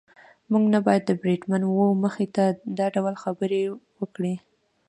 موږ نه باید د بریدمن وه مخې ته دا ډول خبرې وکړو.